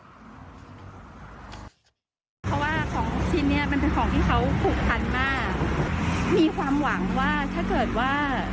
เพราะว่าของทุกชิ้นเนี้ยมันเป็นของที่เขาผูกพันมากมีความหวังว่าถ้าเกิดว่า